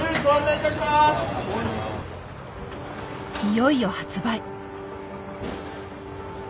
いよいよ発売。